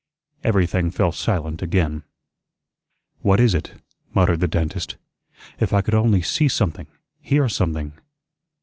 Everything fell silent again. "What is it?" muttered the dentist. "If I could only see something, hear something."